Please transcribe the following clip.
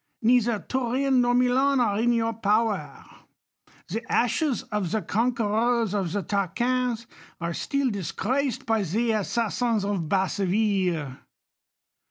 Neither 1'urin nor MiU^n are in your poweiv The ashes of the conquerors of the Tarqunis are stiM disgraced by the assassins of Basseville.